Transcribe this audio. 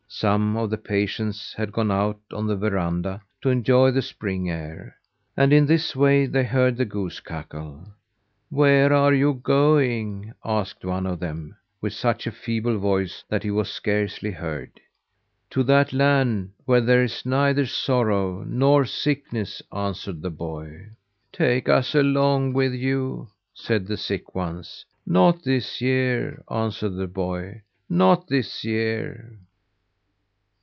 Some of the patients had gone out on the veranda to enjoy the spring air, and in this way they heard the goose cackle. "Where are you going?" asked one of them with such a feeble voice that he was scarcely heard. "To that land where there is neither sorrow nor sickness," answered the boy. "Take us along with you!" said the sick ones. "Not this year," answered the boy. "Not this year."